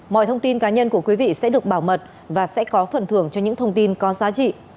mọi thông tin cá nhân của quý vị sẽ được bảo mật và sẽ có phần thưởng cho những thông tin có giá trị